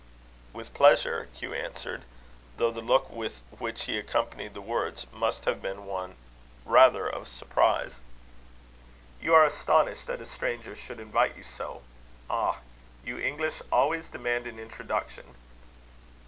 "With pleasure," Hugh answered; though the look with which he accompanied the words, must have been one rather of surprise. "You are astonished that a stranger should invite you so. Ah! you English always demand an introduction.